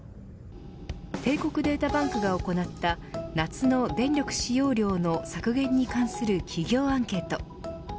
帝国データバンクが行った夏の電力使用量の削減に関する企業アンケート